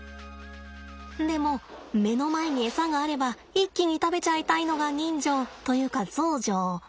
でも目の前にエサがあれば一気に食べちゃいたいのが人情というかゾウ情。